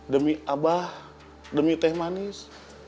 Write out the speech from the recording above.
demi abah demi teh manis